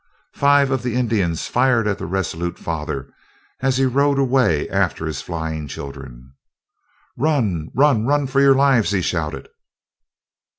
Five of the Indians fired at the resolute father, as he rode away after his flying children. "Run! run! run for your lives!" he shouted.